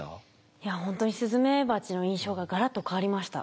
いやほんとにスズメバチの印象がガラッと変わりました。